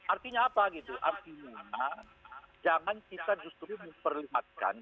artinya apa gitu artinya jangan kita justru memperlihatkan